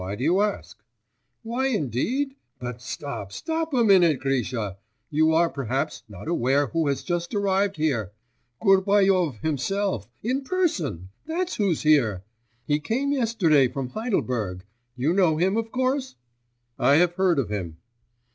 'Why do you ask?' 'Why indeed? But stop, stop a minute, Grisha. You are, perhaps, not aware who has just arrived here! Gubaryov himself, in person! That's who's here! He came yesterday from Heidelberg. You know him of course?' 'I have heard of him.